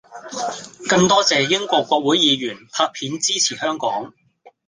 更多謝英國國會議員拍片支持香港